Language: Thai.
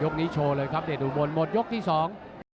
ยกนี้โชว์เลยครับเดชอุบลหมดยกที่สอง